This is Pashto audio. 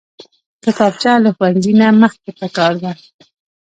کتابچه له ښوونځي نه مخکې پکار ده